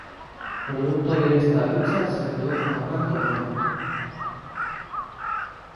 Producto de esta lucha, se produjo una gran tormenta.